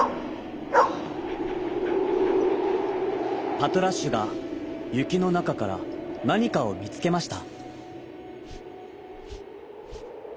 パトラッシュがゆきのなかからなにかをみつけました。